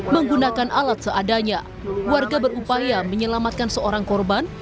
menggunakan alat seadanya warga berupaya menyelamatkan seorang korban